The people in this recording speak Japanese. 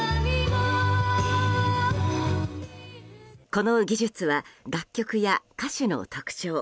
この技術は楽曲や歌手の特徴